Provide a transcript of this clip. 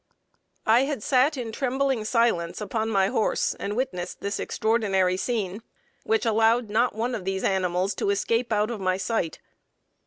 "I had sat in trembling silence upon my horse and witnessed this extraordinary scene, which allowed not one of these animals to escape out of my sight.